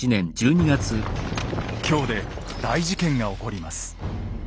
京で大事件が起こります。